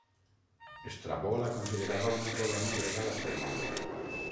Estrabó la considerava una colònia grega lacedemònia.